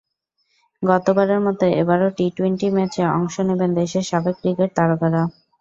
গতবারের মতো এবারও টি-টোয়েন্টি ম্যাচে অংশ নেবেন দেশের সাবেক ক্রিকেট তারকারা।